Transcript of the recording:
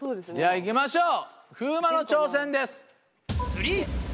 いきましょう風磨の挑戦です。